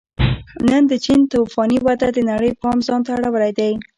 نن د چین توفاني وده د نړۍ پام ځان ته اړولی دی